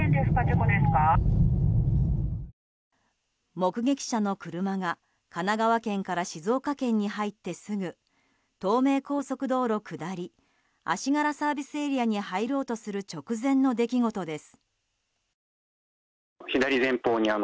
目撃者の車が神奈川県から静岡県に入ってすぐ東名高速道路下り、足柄ＳＡに入ろうとする直前の出来事です。